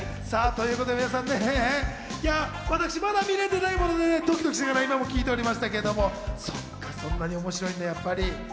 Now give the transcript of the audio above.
ということで皆さんね、私まだ見られていないのでドキドキしながら聞いておりましたけど、そっかそんなに面白いねやっぱり。